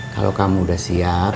kalau kamu udah siap